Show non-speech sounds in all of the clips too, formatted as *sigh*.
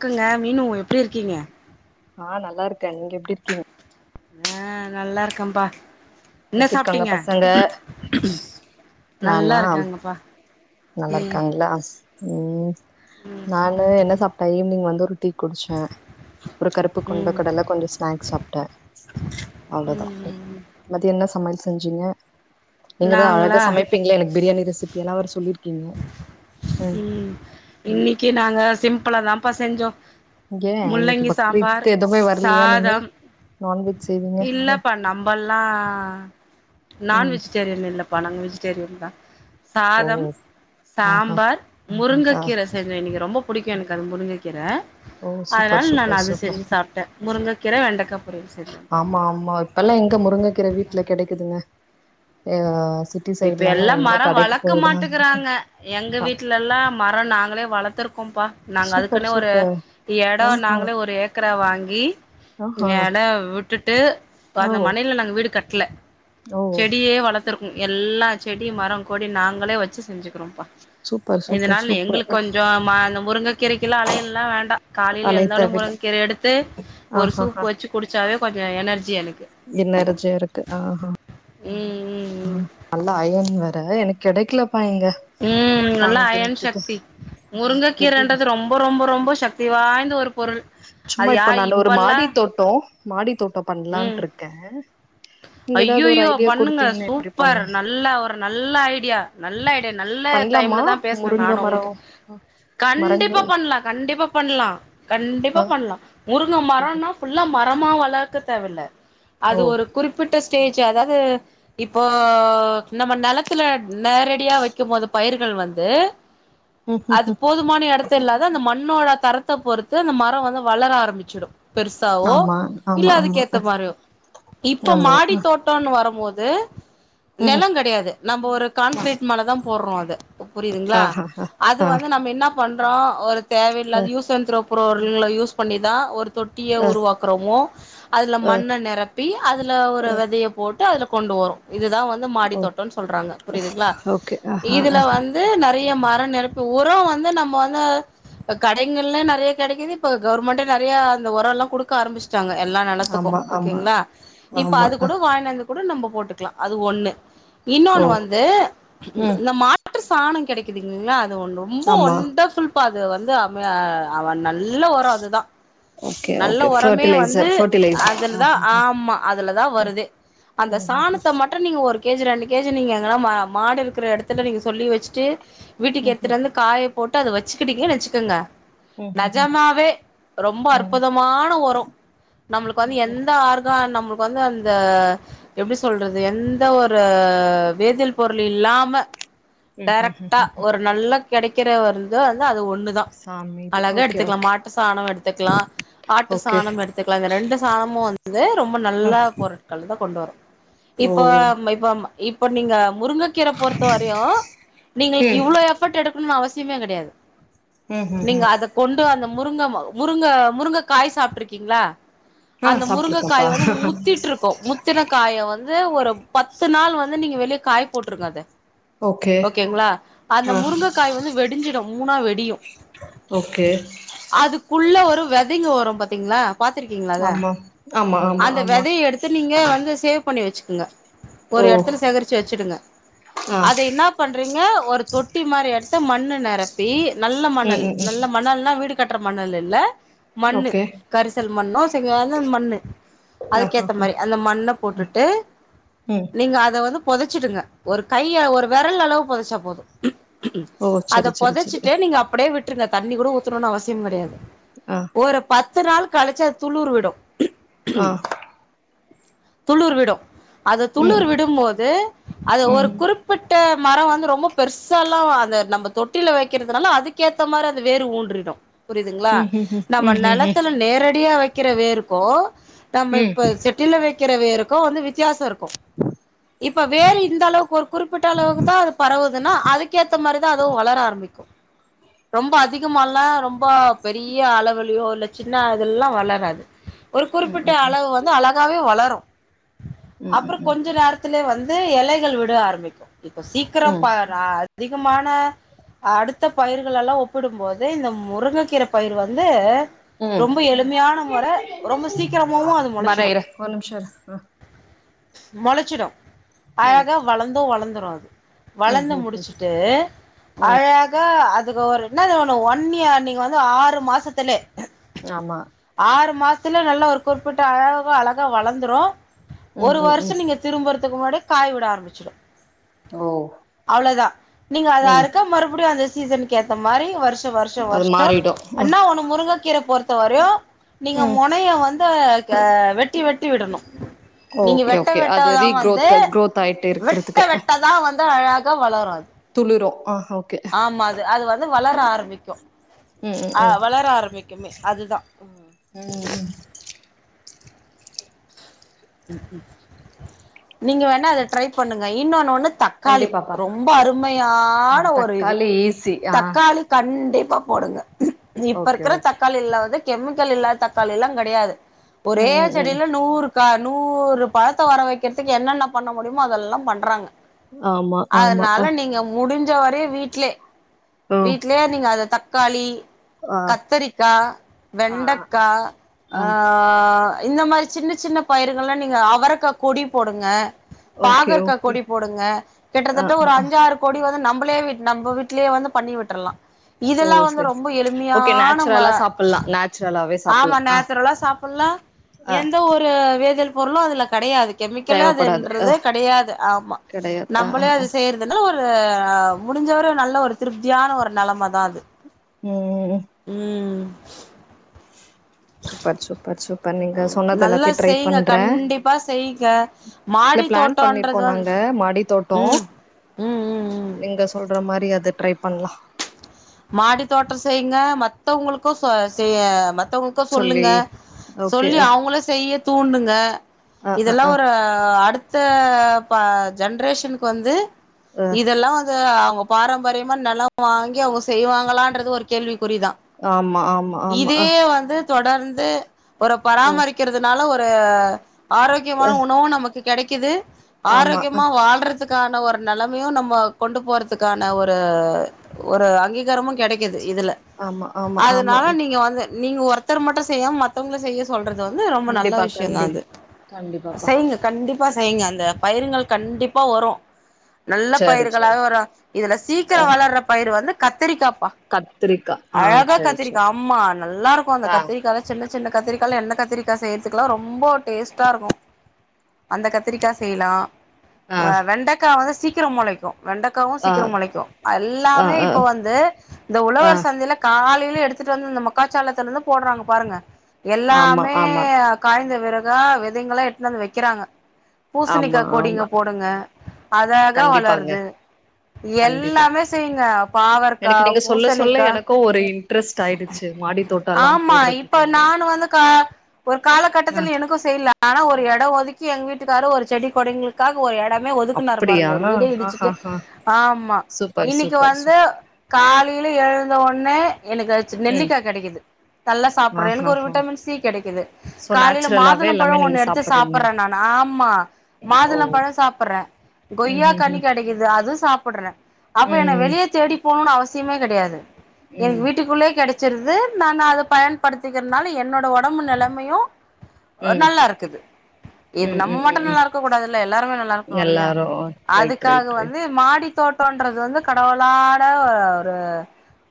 இருக்குங்க மீனு எப்டி இருக்கீங்க நா நல்லா இருக்கே நீங்க எப்டி இருக்கீங் நா நல்லா இருக்கேன்பா என்ன எப்டி இருக்காங்க சாப்ட்டீங்க பசங்க நல்லா நானா இருக்கங்கப்பா நல்லா இருக்காங்களா ம் ம் நானு என்ன சாப்பிட்டே ஈவினிங் வந்து ஒரு டீ குடிச்சே ஒரு கருப்பு கொண்ட ம் கடல கொஞ்சோ ஸ்நாக்ஸ் சாப்ட்டே அவ்ளோதா ம் ம் மதியோ என்ன சமையல் செஞ்சீங்க நீங்கதா அழகா நாங்களா சமைப்பீங்களே எனக்கு பிரியாணி ரெசிபி எல்லா வேற சொல்லிருக்கீங்க ம் இன்னிக்கு நாங்க சிம்பிளா தாப்பா செஞ்சோ ஏ இன்னைக்கு முள்ளங்கி சாம்பார் பக்ரீத்க்கு எதுவுமே வரலையா நீங்க சாதம் நான்வெஜ் செய்வீங்க இல்லப்பா நம்பெல்லா ம் நான்வெஜ் வெஜிடேரியன் இல்லப்பா நாங்க வெஜிடேரியன் தா ஓ சாதம் ஆஹா சாம்பார் ஆ முருங்கக்கீர செஞ்சே இன்னிக்கு ரொம்ப புடிக்கு எனக்கு அது முருங்கக்கீர ஓ சூப்பர் அதனால நா சூப்பர் அது சூப்பர் செஞ்சு சாப்ட்டே முருங்கக்கீர வெண்டக்கா பொரியல் செஞ்சே ஆமா ஆமா இப்பெல்லா எங்க முருங்கக்கீர வீட்ல கெடைக்குதுங்க ஆ சிட் இப்ப எல்லா மரோ வளக்க மாட்டுக்குறாங்க எங்க வீட்ல எல்லா மரோ நாங்களே வளத்துருக்கோம்ப்பா நாங்க சூப்பர் அதுக்குன்னே ஒரு சூப்பர் எடோ ஆஹா நாங்களே ஒரு ஏக்கரா வாங்கி ஆஹா எட விட் ட்டுட்டு இப்ப ஓ அந்த மனையில நாங்க வீடு கட்ல ஓ செடியே வளத்துருக் எல்லா செடி மரோ கொடி நாங்களே வெச்சு செஞ்சுக்கிறோம்ப்பா சூப்பர் சூப்பர் இதனால சூப்பர் எங்ளுக்கு கொஞ்சோ மா அந்த முருங்க கீரைக்கு எல்லா அலையல்லா வேண்டா காலையில அலை எழுந்தவுடனே தேவையில்ல முருங் கீரைய எடுத்து ஒரு ஆஹஹா சூப்பு வெச்சு குடுச்சாவே கொஞ்சோ எனர்ஜி எனக்கு எனர்ஜியா இருக்கு ஆ ஹா ம் ம் ம் நல்ல அயன் வேற எனக்கு கெடக்கலப்பா இங்க ம் நல்லா அயன் வாங்கறதுக்கு சக்தி எப்டி முருங்கக்கீரன்றது ரொம் ரொம்போ ரொம்போ ரொம்போ சக்தி வாய்ந்த ஒரு பொருள் அது யா இப்பல்லா ட்டோ மாடி தோட்டோ ம் பண்ணலான்டிருக்கே நீங்க எதாவது ஒரு ஐய்யய்யோ ஐடியா பண்ணுங்க குடுத்தீங்கன்னா எப்டி பண் சூப்பர் நல்ல ஒரு நல்ல ஐடியா நல்ல ஐடியா நல்ல பண்லாமா டைம்ல தா பேசுனே முருங்க நானு மரோ உங்ளுக்கு கண்டிப்பா மரங்கள் பண்லா, கண்டிப்பா பண்லா, கண்டிப்பா ஆ பண்லா முருங்க மரன்னா ஃபுல்லா மரமா வளக்க தேவ இல்ல ஓ அது ஒரு குறிப்பிட்ட ஸ்டேஜ் அதாது இப்போ நம்ம நெலத்துல நேரடியா வைக்கும்போது பயிர்கள் வந்து ம் ம் அது போதுமான எடத்த இல்லாத அந்த மண்ணோட தரத்த பொறுத்து அந்த மரோ வந்து வளர ஆரம்பிச்சுடு பெருசாவோ ஆமா இல்ல ஆமா அதுக்கு ஆமா ஏத்த மாரியோ இப்ப ஆமா மாடி தோட் டோனு வரும்போது ம் நெல கெடயாது நம்ம ஒரு கான்கிரீட் மேலதா போட்றோ அத இப்ப புரியுதுங்களா ஆஹா அது ஆ வந்து நம்ம என்ன பண்றோ ஒரு அ தேவையில்லாத யூஸ் அண்ட் த்ரோ அப்றோ ஒண்ணுல யூஸ் பண்ண தா ஒரு தொட்டிய அ உருவாக்குறோமோ அதுல அ மண்ண நெரப்பி அதுல ஒரு வெதய போட்டு அதுல கொண்டு வரு இதுதா வந் து மாடி ஓ தோட்டோனு சொல்றாங்க புரியுதுங்களா ஓகே ஆஹா இதுல ஆ வந் து நெறையா மர நெரப்பி உரோ வந்து நம்ம வந்து இப்ப கடைகள்லா நெறையா கெடைக்குது இப்ப கவர்மெண்டே நெறையா அந்த உர எல்லா குடுக்க ஆரம்பிச்சுட்டாங்க எல்லா நெல த்துக்கு ஆமா ஆமா ஓகேங்ளா இப்ப ஆமா அது அ கூட வாங்கினு வந்து கூட நம்ம போட்டுக்கலா அது ஒண்ணு ஓ இன்னொன்னு வந்து ம், இந்த மாட்டு சாண கெடைக்குதுங்களா அது ரொம்ப ஆமா ஒண்டர்ஃபுல் ப்ப அது வந்து அமே அது நல்ல உர அதுதா ஓகே நல்ல ஓகே உரமே வந்து ஃபர்டிலைசர் ஃபர்டிலைசர் ஆ அதுலதா ஆமா அதுலதா ம் வருதே அந்த ம் ம் சாணத்த மட் டு நீங்க ஒரு கேஜி ரெண்டு கேஜி நீங்க எங்கனா மாடு இருக்கற எடத்துல நீங்க சொல்லி வச்சுட்டு வீட்டுக்கு ம் ம் ம் எடுத்துட்டு வந்து காய போட்டு அத வச்சுக்கிட்டீங்கன்னு வச்சுக்கோங்க ம் ம் நெஜமாவே ரொம்ப ம் ம் அற்புதமான உரம் நம்மளுக்கு வந்து எந்த ஆர்கா நம்மளுக்கு வந்து அந்த எப்டி சொல்றது எந் த ஒரு வேதியல் பொருள் இல்லாம ம் ம் டேரைக்டா ஒரு நல்ல கெடைக்கிற ஒரு இது வந்து அது ஒண்ணு தா சாமி இது அழகா ஓகே எடுத்துக்லா ஓகே மாட்டு சாணோ எடுத்துக்லா ஆட்டு ஓகே சாணம் எடுத்துக் இந்த ரெண்டு சாணமு வந்து ரொம்ப ஆ நல்லா பொருட்களிருந்துதா கொண்டு வரு ஓ இப்போ இப்ப இப்ப நீங்க முருங்கக்கீர பொறுத்த வரையு நீங்களுக்கு ம் இவ்ளோ எஃப் போர்ட் எடுக்கணுனு அவசியமே கடையாது ம் ம் நீங்க ம் அத கொண்டு அந்த முருங்க முருங்க முருங்க காய் சாப்ட்டுருக்கீங்களா ஆ அந்த சாப்ட்ருக்கேன்ப்பா முருங்கக்காய் வந்து முத்திட்டு இருக்கு முத் தின காய வந்து ஒரு பத்து நாள் வந்து நீங்க வெளியே காய போட்டுருங்க அத ஓகே ஓகேங்களா அந்த ஆ முருங்கக்காய் வந்து வெடிஞ்சிடு மூணா வெடியு ஓகே அதுக்குள்ள ஒரு வெதைங்க வரு பாத்தீங்ளா பார்த்திருக்கீங்களா அத ஆமா ஆமா ஆமா அந்த ஆமா வெதைய எடுத் அத நீங்க வந்து சேவ் பண்ணி வச்சுக்கங்க ஒரு ஓ எடத்துல சேகரிச்சு வச்சுடுங்க ஆ அத என்ன பண்றீங்க ஒரு தொட்டி மாரி எடத்த மண்ணு நெரப்பி நல்ல ம் மணல் ம் ம் நல்ல மணல்னா வீடு கட்டற மணல் இல்ல மண்ணு ஓகே கல் மண்ணோ செங்க அந்த மண்ணு ஆ ஆ அதுக்கேத்த ஆ மாரி அந்த மண்ண போட்டுட்டு ம் நீங்க அத வந்து பொதச்சிட்டுங்க ஒரு கைய ஒரு விரல் அளவு பொதச்சா போது ஓ சரி அத சரி சரி பொதச்சுட்டு நீங்க அப்டியே விட்டுருங்க தண்ணி கூட ஊத்தணுனு அவசியம் கடையாது ஆ ஒரு பத்து நாள் கழிச்சு அது துளுர் விடு ஆ துளுர் விடு அத ம் துளுர் விடும்போது அத ஒரு ம் குறிப் பிட்ட மரம் வந்து ரொம்ப பெருசாலா அது நம்ப தொட்டியில வைக்கிறதுனால அதுக்கேத் அந்த மாற அது வேறு ஊன்றிடு புரிதுங்ளா ம் ம் ம் நம்ம ம் ம் நெலத்தல நேரடியா வெக்கிற வேருக்கு நம்ம ம் இப்ப செட்டில வெக்கிற வேருக்கு வந்து வி த்தியாசோ இருக்கு இப்ப வேறு இந்த அளவுக்கு ஒரு குறிப்பிட்ட அளவுக்குதா அது பரவுதுனா அதுக்கேத்த மாரி நா அதுவு வளர ஆரம்பிக்கு ரொம்ப அதிகமால்லா ரொம்ப பெரிய அளவிலயோ இல்ல சின்னதெல்லா வளராது ஒரு குறிப்பிட்ட ம் ம் ம் ம் ம் அளவு வந்து அழகாவே வளரு அப்றோ கொஞ்ச நேரத்திலயே வந்து எலைகள் விட ஆரம்பிக்கு இப்ப சீக்கிரோ ம் ம் யா அதிகமான அடுத்த பயிர்களெல்லா ஒப்பிடும்போது இந்த முருங்கக்கீர பயிர் வந்து ம் ம் ரொம்ப எளிமையான மொற ரொம்ப சீக்கிரமாவு அது வரே மொளச்சிடு இரு ஒரு நிமிஷோ இரு ஆ மொளச்சிடு ம் அழகா வளந்து வளந்துரு அது ம் வளந்து ம் ம் முடிச்சுட்டு ம் அழகா அதுக்கு ஒரு என்ன ஒண்ணு ஒன்னியா நீங்க வந்து ஆறு மாசத்தலே ஆமா ஆறு மாசத்துல நல்லா ஒரு குறிப்பிட்ட அழவா அழகா வளந்துரு ம் ஒரு ம் ம் வருஷோ நீங்க திரும்பறதுக்கு முன்னாடி காய் விட ஆரம்பிச்சிடு ஓ அவ்ளதா நீங்க அதா ம் அறுக்க மறுபடியு அந்த சீசனுக்கு ஏத்த மாரி வருஷ் த்த வருஷோ அது வருஷோ மாறிடு ம் அண்ணா ஒன்னு முருங்கக்கீர பொறுத்த வரையு நீங்க ம் மொனய வந்து அ வெட்டி வெட்டி விடணு நீங்க ஓகே வெட்ட ஓகே அது வெட்டதான் வந்து ரீக்ரோத் குரோத் ஆயிட்டு வெட்ட இருக்கிறதுக்கு வெட்டதான் வ ந்து அழகா வளரு அது துளிரு ஆ ஓகே ஆமா அது அது வந்து வளர ஆரம்பிக்கு ம் ம் அ ம் வளர ஆரம்பிக்குமே அதுதா ம் ம் ம் நீங்க வேணா அத ட்ரை பண்ணுங்க இன்னொன்னு ஒன்னு தக்காளி கண்டிப்பாப்பா ரொம்ப ஆ அருமையான ஒரு இது தக்காளி ஈஸி ஆ தக்காளி கண்டிப்பா போடுங்க இப்போ ஓகே இருக்கிற ஓகே தக்காளில்ல வந்து கெமிக்கல் இல்லாத தக்காளி எல்லாங் கெடையாது ஒரே ம் ம் ம் செடில நூறு க நூறு பழத்த வர வெக்கிறதுக்கு என்னென்ன பண்ண முடியுமோ அதெல்லா பண்றாங்க ஆமா ஆமா அ அதனால நீங்க முடிஞ்ச வரையு வீட்லே ஓ வீட்லயே நீங்க அத தக்காளி ஆ கத்திரிக்கா ஆ வெண்டக்கா அ ஆ ஆ இந்த மாரி சின்ன சின்ன பயிர்கள்ல்லா நீங்க அவரக்கா கொடி போடுங்க ஓகே பாகற்கா ஓகே கொடி போடுங்க ஆ கிட்டத்தட்ட ஆ ஒரு ஆ அஞ்சாறு கொடி வந்து நம்மளே வ நம்ம வீட்லயே வந்து பண்ணி விட்டுரலா ஓ இதெல்லா வந்து சரி ரொம்ப சரி ஓகே எளிமையான ம நேச்சுரலா சாப்பிடலாம் நேச்சுரலாவே ஆமா சாப்பிடலாம் ஆ நேச்சுரலா சாப்பில்லா ஆ எந்த ஒரு வேதியல் பொருளு அதுல கெடயாது தேவைப்படாது அ கெமிக்கலாதுன்றதே கெடையாது ஆமா கிடையாது ஆ ஆ நம்மளே அது ஆ செய்றது தென்ன ஒரு முடிஞ்சவர நல்லா ஒரு திருப்தியான ஒரு நெலமைதா அது ம் ம் ம் சூப்பர் சூப்பர் சூ இப்ப நீங்க சொன்னது நல்லா எல்லாத்தையு ட்ரை செய்ங்க பண்ற கண்டிப்பா செய்ங்க இல்ல மாடி ப்ளான் பண்ணிருக்கோ தோட்டோன்றது வந் நாங்க மாடி தோட்டோ ம் ம் ம் ம் நீங்க சொல்ற மாரி அது ட்ரை பண்லா மாடி தோட்டோ செய்ங்க மத்தவங்களுக்கு சொ செய மத்தவங் க்க சொல்லி சொல்லுங்க ஓகே சொல்லி அ அவுங்ள செய்ய தூண்டுங்க ஆ இதெல்லா ஆ ஒரு அடுத்த ப ஜென்ரேஷன்க்கு வந்து ஆ இதெல்லா வந்து அவுங்க பாரம்பரியமா நிலம் வாங்கி அவுங்க செய்வாங்களன்றது ஒரு கேள்விக்குறிதா ஆமா ஆமா ஆமா இதே வந்து தொடர்ந்து ஒரு அ பராமரிக்கிறதுனால ஒரு ஆரோக்கியமான உணவு நமக்கு கெடைக்குது ஆமா ஆமா அ, ஆரோக்கியமா வாழ்றதுக் க்கான ஒரு நிலைமையு நம்ம கொண்டு போறதுக்கான ஒரு ஒரு அங்கீகாரமு கெடைக் கிது இதுல ஆமா ஆமா அதனால ஆமா நீங்க வந்து நீங்க ஒருத்தர் மட்டு செய்யாம மத்த மத்தவங்க செய்ய சொல்றது வந்து ரொம்ப நல்ல கண்டிப்பா விஷய தா கண்டி இது கண்டிப்பாப்பா செய்ங்க கண்டிப்பா செய்ங்க அந்த பயிர்ங்கள் கண்டிப்பா வரு நல்ல சரி சரி பயிர்களாவே வரு இதுல சீக்கிர அ வளர்ற பயிர் வந்து கத்திரிக்காப்பா கத்திரிக்கா ஆ அழகா சரி கத்திரிக்கா சரி ஆமா நல்லாருக்கு அந்த ஆ கத்திரிக்காய சின்ன சின்ன கத்திக்காயல எண்ண கத்திரிக்கா செய்யறதுக்ல்லா ரொம்ப டேஸ்ட்டா இருக்கு அந்த கத்திரிக்கா செய்யலா ஆ வெண்டைக்கா வந்து சீக்கிரம் முளைக்கு வெண்டைக்காவு ஆ சீக்கிரம் முளைக்கு ஆ எல்லாமே ஆ இப்ப வந் ந்து இந்த ஆ உழவர் சந்தைல காலைல எடுத்துட்டு வந்து இந்த மக்காச்சோளத்துல இருந்து போடுறாங்க பாருங்க ஆமா எல்லாமே ஆமா காய்ந்த விறகா விதைங்களா எட்டுன்னு வந்து வைக்கிறாங்க ஆமா பூசணிக்கா கொடிங்க ஆமா போடுங்க அழகா கண்டிப்பாங்க வளருது கண்டிப்பா எல்லாமே செய்யுங்க பாவற் எனக்கு நீங்க சொல்ல சொல்ல எனக்கு ஒரு இ ஆமா இப்ப போடுறதுக்கு நானு வந்து கா ஒரு அ காலகட்டத்துல எனக்கு செய்ல ஆனா ஒரு எட ஒதுக்கி எங்க வீட்டுக்காரு ஒரு செடி கொடங்ளு க்காக ஒரு எடமே ஒதுக்குனாரு பாருங்க அப்படியா ஒரு வீடே இடிச்சுட்டு ஆஹாஹா ஆமா சூப்பர் இன்னைக்கி சூப்பர் வந்து சூப்பர் காலையில எழுந்த உன்னே எனக்கு சி ம் நெல்லிக்கா கெடைக்குது நல்ல சாப்றே எனக்கு ஒரு ஆஹாஹா விட்டமீன் சி கெடைக்குது சோ காலைல நேச்சுரலாவே மாதுளம் எல்லாமே பழம் நீங்க ஒண்ணு எடுத்து சாப்பிடுறீங்க சாப்பறே நானு ஆமா ஓ மாதுளம் பழம் சாப்பறே ம் கொய்யா ம் கனி கெடைக்குது அது சாப்டுறே அப்ப என்ன ம் வெளிய தேடி போணுன்னு அவசியமே கெடையாது ம் எனக்கு வீட்டுக்குள்ளயே கெடச் ச்சுருது நா அத பயன்படுத்திக்கிறதுனா ல என்னோட உடம்பு நெலைமையு ஓ ம் ம் நல்லா இருக்குது இப்ப ம் நம்ம ம் ம் மட்டு ம் நல்லா இருக்க கூடாதுல்ல எல்லாருமே நல்லா இருக்கணு இல்லையா எல்லாரு ரைட் அதுக்காக ரைட் வந்து ரைட் மாடி தோட்டன்றது வந்து கடவுளாட ஒரு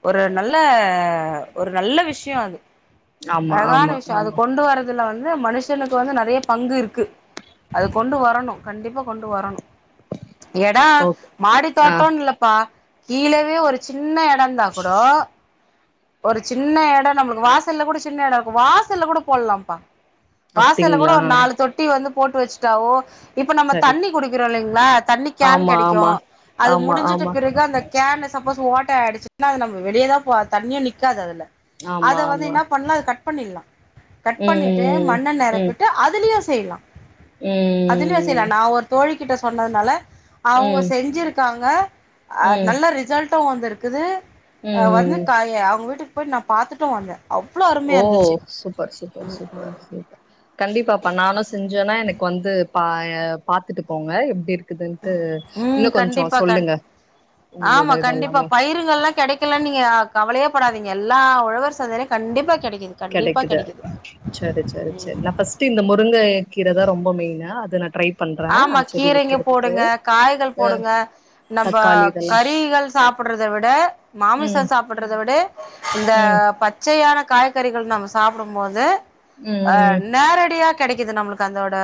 ஒரு நல்ல ஒரு நல்ல விஷ்ய அது ஆமா அழகான ஆமா விஷ்ய அது ஆமா கொண்டு வர இதுல வந்து மனுஷனுக்கு வந்து நெறைய பங்கு இருக்கு அது கொண்டு வரணு கண்டிப்பா கொண்டு வரணு எட ஓகே மாடி ஆ தோட்டன் இல்லப்பா கீழேவே ஒரு சின்ன எடந்தா குடோ ஒரு சின்ன எட நம்ளுக்கு வாசல்ல கூட சின்ன எட இருக்கு வாசல்ல கூட போட்லாம்ப்பா வாசல்ல கூட அப்டிங்களா ஒரு நாலு தொட்டி வந்து போட்டு வச்சுட்டாவோ இப்ப நம்ம சரி தண்ணி குடிக்கிறோ இல்லைங்ளா தண்ணி கேன் ஆமா கெடைக்கு ஆமா அது ஆமா முடிஞ்சுட்டு ஆமா பிறகு அந்த கேன்ல சப்போஸ் ஓட்ட ஆயிடுச்சுன்னா அது நம்ம வெளியதா போவ தண்ணியு நிக்காது அதுல ஆமா அத வந்து ஆமா என்ன பண்லா கட் பண்ணிட்லா கட் பண்ணிட்டு ம் மண்ண ம் நிரப்பிட்டு அதுலயே செய்லா ம் அதுலயே செய்யல நா ஒரு தோழிகிட்ட சொன்னதுனால அவுங்க ம் செஞ்சிருக்காங்க அத் ம் நல்ல ரிஜல்ட்டு வந்துருக்குது வந்து ம் காய அவுங் வீட்டுக்கு போய்ட்டு நா பாத்துட்டூ வந்தே அவ்ளோ ஓ அருமையா இருந்துச்சு சூப்பர் சூப்பர் சூப்பர் சூப்பர் கண்டிப்பாப்பா நானு செஞ்சேன்னா எனக்கு வந்து பா பாத்துட்டு போங்க எப்டி இருக் *unintelligible* ம் இன்னு கொஞ்சொ கண்டிப்பா கண் சொல்லுங்க ஆமா உங்களோட கண்டிப்பா இதெல்லாமே பயிருகள்லா கெடைக்கு க்கெல்லா நீங்க அ கவலையேப்படாதீங்க எல்லா உழவர் சந்தைலயு கண்டிப்பா கெடைக்குது கெடைக்குது செரி செரி செரி நா ஃபர்ஸ்ட்டு இந்த முருங்கைக்கீர தா ரொம்ப மெயினு அது நா ட்ரை பண்றே ஆமா அது செடி கீரைங்க வைக்கிறதுக்கு போடுங்க காய்கள் அஹ் போடுங்க நம்ம தக்காளி இதெல்லா கறிகள் சாப் சாப்புட்றத விட ம் மாமிசம் சாப்புட்றத விட இந்த ம் பத் ச்சையான காய்கறிகள் நம்ம சாப்டும் போது ம் நேரடியா கெடைக்குது நம்ளுக்கு கந்தோட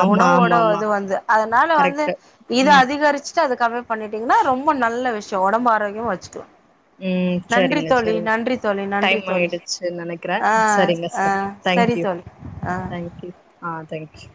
ஆமா உணவோட ஆமா ஆமா இது வந்து அதனால வந்து கரெக்ட் இது அது ம் அதிகரிச்சுட்டு அது கம்மி பண்ணிட்டீங்கன்னா ரொம்ப நல்ல விஷயொ ஒடம்பு ஆரோக்கியமா வச்சுக்லா ம் நன்றி சரிங்க தோழி சரிங்க நன்றி தோழி நன்றி டைம் தோழி ஆயிடுச்சு நெனைக்கிறே ஆ சரிங்க ஆ சரி சரி தேங்க்யூ தோழி ஆ ஆ தேங்க்யூ தேங்க்யூ